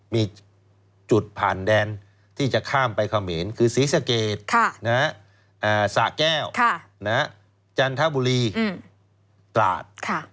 มีจุดผ่านแดนที่จะข้ามไปเขมรคือศรีสะเกดสะแก้วจันทบุรีตราด